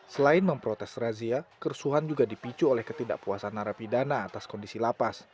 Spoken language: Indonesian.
selain memprotes razia kerusuhan juga dipicu oleh ketidakpuasan narapidana atas kondisi lapas